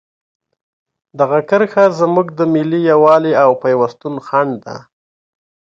دغه کرښه زموږ د ملي یووالي او پیوستون خنډ ده.